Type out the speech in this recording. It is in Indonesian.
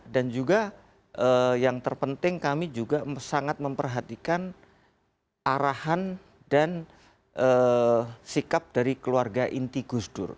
dan juga yang terpenting kami juga sangat memperhatikan arahan dan sikap dari keluarga inti gusdur